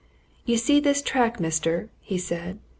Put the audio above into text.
"You see this track, mister?" he said.